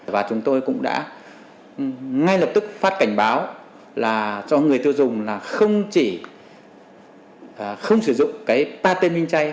và chúng tôi cũng đã ngay lập tức phát cảnh báo cho người tiêu dùng là không chỉ không sử dụng pate minchay